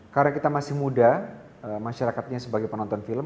karena kita masih muda masyarakatnya sebagai penonton film